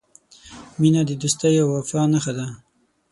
• مینه د دوستۍ او وفا نښه ده.